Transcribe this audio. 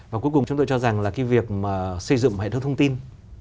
và cuối cùng chúng tôi cho rằng là cái việc mà xây dựng hệ thống thông tin